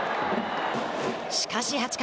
しかし、８回。